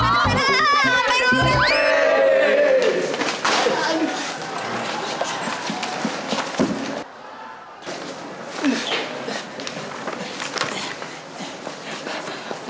dini mau main jantung